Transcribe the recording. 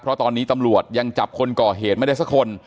เพราะตอนนี้ตำรวจยังจับคนก่อเหตุไม่ได้สักคน